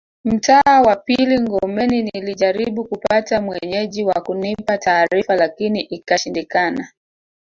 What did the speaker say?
Mtaa wa pili Ngomeni nilijaribu kupata Mwenyeji wa kunipa taarifa lakini ikashindikana